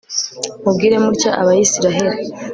mubwire mutya abayisraheli